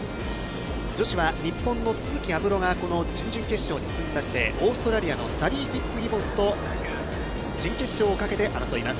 女子は日本の都筑有夢路が準々決勝に進みまして、オーストラリアのサリー・フィツギボンズと準決勝をかけて争います。